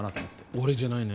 俺じゃないね。